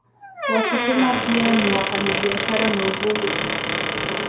Wasukuma pia ni wafanyabiashara na uvuvi